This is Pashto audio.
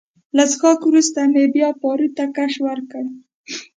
له څښاکه وروسته مې بیا پارو ته کش ورکړ.